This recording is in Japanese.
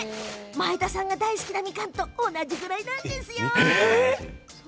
前田さんが大好きなみかんと同じぐらいなんです。